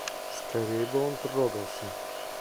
Скорей бы он трогался!